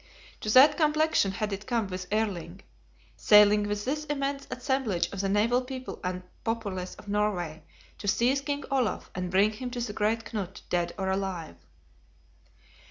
To that complexion had it come with Erling; sailing with this immense assemblage of the naval people and populace of Norway to seize King Olaf, and bring him to the great Knut dead or alive.